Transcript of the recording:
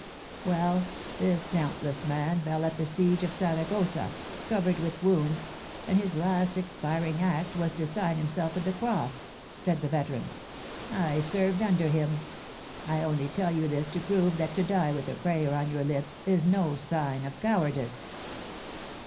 Well, this dauntless man fell at the siege of Saragossa, covered with wounds, and his last expiring act was to sign himself with the cross," said the veteran. "I served under him. I only tell you this to prove that to die with a prayer on our lips is no sign of cowardice!"